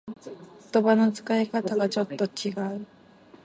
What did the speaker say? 言葉の使い方がちょっと違う